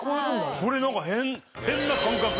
これなんか変な感覚。